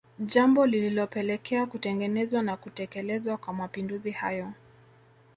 Jambo lilopelekea kutengenezwa na kutekelezwa kwa mapinduzi hayo